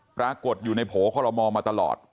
ปรากฏอยู่ในโผล่คอลโลมอลมาตลอด